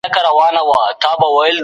رښتینې نېکمرغي ستا په خپل مثبت فکر کي ده.